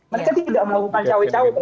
mereka tidak melakukan cawi cawi